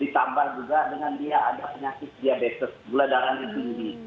ditambah juga dengan dia ada penyakit diabetes gula darahnya tinggi